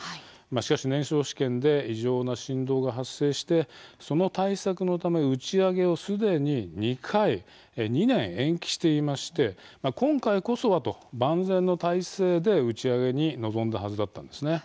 しかし、燃焼試験で異常な振動が発生してその対策のため打ち上げをすでに２回、２年延期していまして今回こそはと万全の態勢で打ち上げに臨んだはずだったんですね。